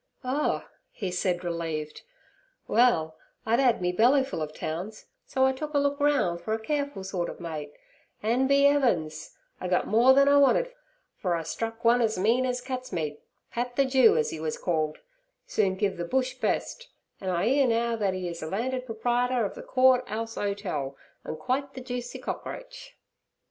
'Oh' he said, relieved. 'Well, I'd 'ad me bellyfull of towns, so I took a look roun' fer a careful sort ov mate, an', be 'eavens! I gut more then I wanted, fer I struck one as mean as cats' meat. Pat the Jew, as 'e was called, soon giv' ther bush best, an' I 'ear now that 'e is landed proprietor ov the Court 'Ouse Hotel, and quite the juicy cockroach.'